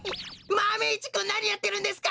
マメ１くんなにやってるんですか！